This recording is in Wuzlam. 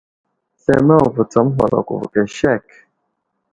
Slemeŋ vo tsa aməhwalako vo aka sek.